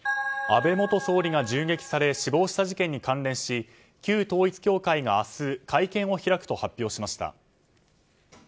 安倍元首相が銃撃され死亡した事件に関連し旧統一教会が明日会見を開くと発表しました。